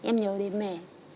em nhớ đến mẹ